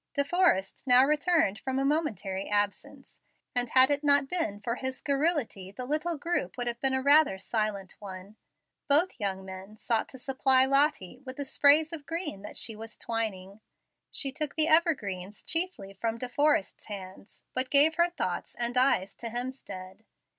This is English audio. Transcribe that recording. De Forrest now returned from a momentary absence, and had it not been for his garrulity the little group would have been a rather silent one. Both young men sought to supply Lottie with the sprays of green that she was twining. She took the evergreens chiefly from De Forrest's hands, but gave her thoughts and eyes to Hemstead.